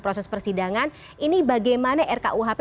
proses persidangan ini bagaimana rkuhp